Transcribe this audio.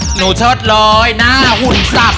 หนูชดเลยหน้าหุ่นสับ